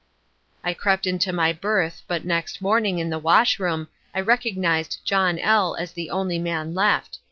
"I crept into my berth, but next morning, in the washroom, I recognized John L. as the only man left.